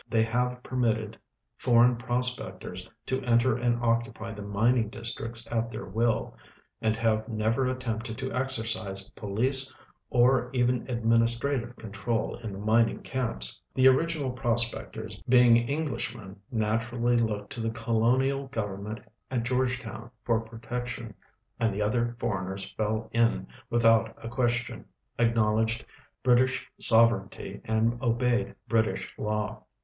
They have permitted foreign prospectors to enter and occupy the mining districts at their will, and have never attempted to exercise police or even administrative control in the mining camps. The original })rospectors, being English men, naturally looked to the colonial government at Georgetown for ]>rotection, and the other foreigners fell in without a question,, acknowledged British sovereignty and obeyed British law.